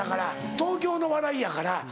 東京の笑いやから。